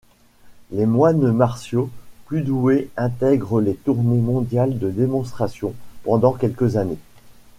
Les moines martiaux plus doués intègrent les tournées mondiales de démonstration, pendant quelques années.